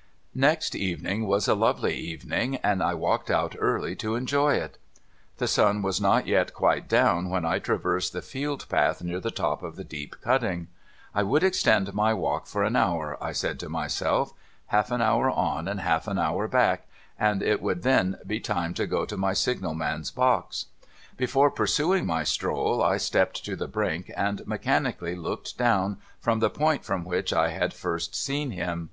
■ Next evening was a lovely evening, and I walked out early to enjoy it. The sun was not yet quite down when I traversed the field path near the top of the deep cutting. I would extend my walk for an hour, I said to myself, half an hour on and half an hour back, and it would then be time to go to my signal man's box. Before pursuing my stroll, I stepped to the brink, and mechani cally looked down, from the point from which I had first seen him.